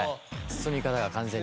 包み方が完全に。